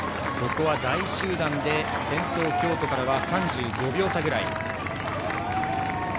大集団で先頭の京都からは３５秒差くらい。